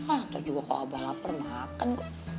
atau juga kalo abah lapar makan